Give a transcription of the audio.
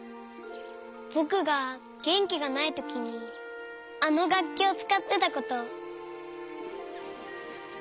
ぼくがげんきがないときにあのがっきをつかってたこと。